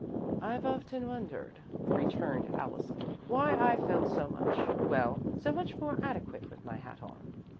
'" "I've often wondered," returned Allison, "why I felt so much well, so much more adequate with my hat on."